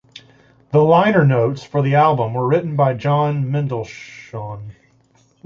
The liner notes for the album were written by John Mendelsohn.